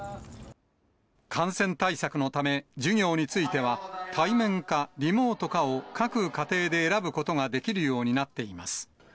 感染対策のため、授業については、対面かリモートかを各家庭で選ぶことができるようになっています。